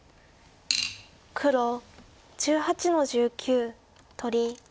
黒１８の十九取り。